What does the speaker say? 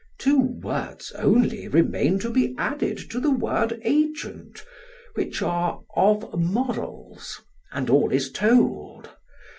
Two words only remain to be added to the word 'agent,' which are 'of morals' and all is told.